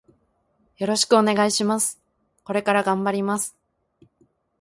よろしくお願いします。これから頑張ります。